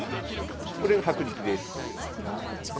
これ薄力です。